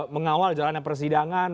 mengawal jalannya persidangan